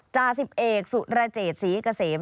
จ่าสิบเอกสุรเจษศรีเกษม